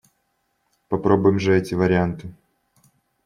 Попробуем же эти варианты!